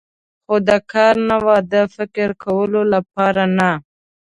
خو د کار نه و، د فکر کولو لپاره نه.